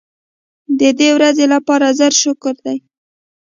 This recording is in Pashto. د دې ورځې لپاره زر شکر دی.